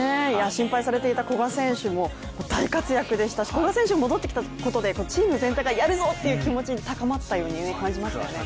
心配されていた古賀選手も大活躍でしたし古賀選手が戻ってきたことでチーム全体がやるぞっていう気持ちが高まったように見えましたね。